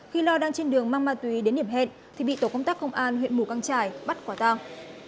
khi lo đang trên đường mang ma túy đến điểm hẹn thì bị tổ công tác công an huyện mù căng trải bắt quả tang